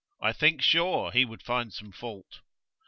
I think sure he would find some fault.